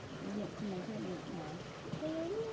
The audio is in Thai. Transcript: พวกเขาถ่ายมันตรงกลาง